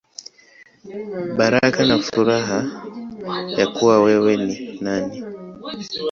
Baraka na Furaha Ya Kuwa Wewe Ni Nani.